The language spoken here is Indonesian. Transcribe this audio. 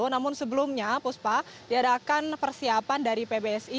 namun sebelumnya puspa diadakan persiapan dari pbsi